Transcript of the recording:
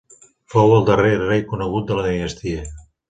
Fou el darrer rei conegut de la dinastia.